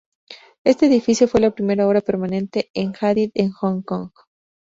Este edificio fue la primera obra permanente de Hadid en Hong Kong.